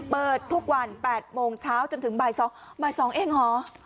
เปิดทุกวัน๘โมงเช้าจนถึงบ่าย๒บ่าย๒เองเหรอ